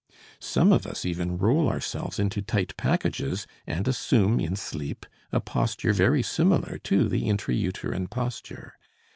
Some of us even roll ourselves into tight packages and assume in sleep a posture very similar to the intra uterine posture.